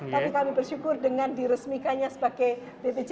tapi kami bersyukur dengan diresmikannya sebagai bpjs